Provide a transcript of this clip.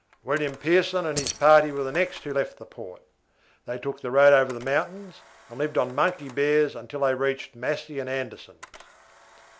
"William Pearson and his party were the next who left the Port. They took the road over the mountains, and lived on monkey bears until they reached Massey and Anderson's.